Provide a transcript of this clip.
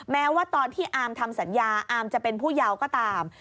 แม้ว่าตอนที่อาร์มทำสัญญาอาร์มจะเป็นผู้เยาว์ก็ตาม